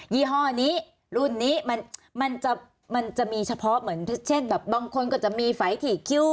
ี่ห้อนี้รุ่นนี้มันจะมีเฉพาะเหมือนเช่นแบบบางคนก็จะมีไฟถี่คิ้ว